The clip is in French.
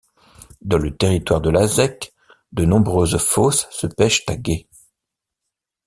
Dans le territoire de la zec, de nombreuses fosses se pêchent à gué.